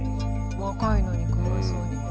若いのにかわいそうに。